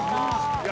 いや